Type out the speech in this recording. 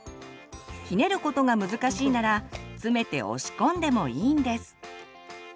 ひねることが難しいなら詰めて押し込んでもいいんです。